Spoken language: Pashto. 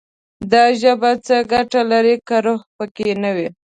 دا ژبه څه ګټه لري، که روح پکې نه وي»